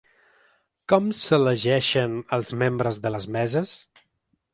Com s’elegeixen els membres de les meses?